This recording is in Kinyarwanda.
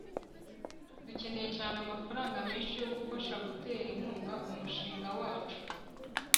dukeneye cyane amafaranga menshi yo gufasha gutera inkunga umushinga wacu